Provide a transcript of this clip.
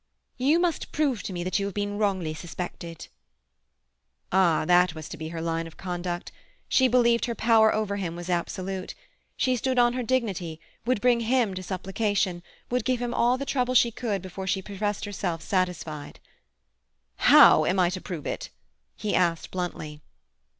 "You must prove to me that you have been wrongly suspected." Ah, that was to be her line of conduct. She believed her power over him was absolute. She stood on her dignity, would bring him to supplication, would give him all the trouble she could before she professed herself satisfied. "How am I to prove it?" he asked bluntly.